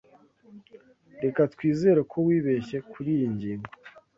Reka twizere ko wibeshye kuriyi ngingo.